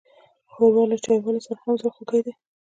ښوروا له چايوالو سره هم زړهخوږې ده.